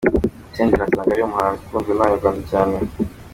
Senderi asanga ari we muhanzi ukunzwe n’Abanyarwanda cyane.